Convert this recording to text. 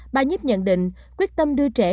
bà nhíp nhận định quyết tâm đưa trẻ